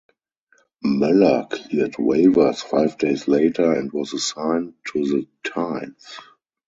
Moeller cleared waivers five days later and was assigned to the Tides.